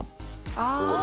ああ。